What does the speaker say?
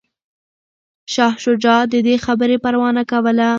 شاه شجاع د دې خبرې پروا نه کوله.